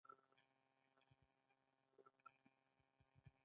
دوی به د لګښت پوره کولو لپاره پور اخیست.